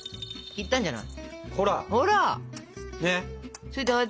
いいんじゃない？